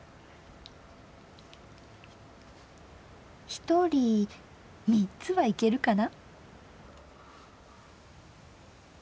ひとり３つはいけるかな。